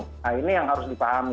nah ini yang harus dipahami